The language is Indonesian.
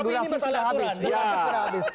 dura asus sudah habis